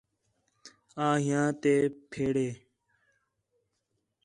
آں ہیاں تے پھیڑے